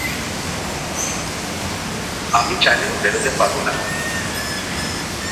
আমি চাইলেও বেরোতে পারব না।